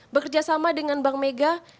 bekerja sama dengan bank mega